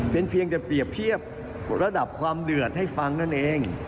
เพียงแต่เปรียบระดับความเดือดให้ฟังนั่นเอง